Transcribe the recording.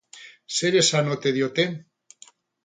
Zer esan ote diote?